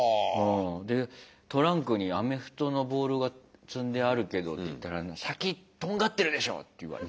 で「トランクにアメフトのボールが積んであるけど」って言ったら「先とんがってるでしょ」って言われた。